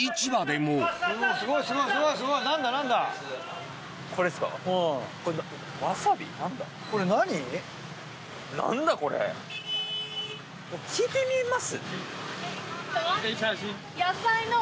もう聞いてみます？